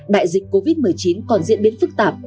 đại dịch covid một mươi chín còn diễn biến phức tạp